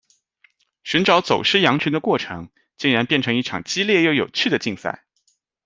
寻找走失羊群的过程，竟然变成一场激烈又有趣的竞赛。